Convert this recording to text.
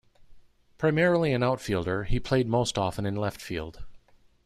Primarily an outfielder, he played most often in left field.